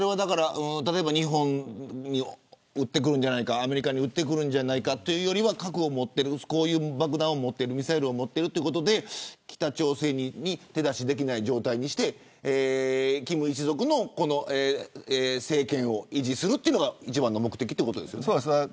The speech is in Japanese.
例えば日本に撃ってくるんじゃないかアメリカに撃ってくるんじゃないかというよりは核を持っているミサイルを持っているということで北朝鮮に手出しができない状態にして金一族の政権を維持するというのが一番の目的ということですか。